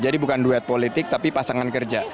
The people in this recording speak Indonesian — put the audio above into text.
jadi bukan duet politik tapi pasangan kerja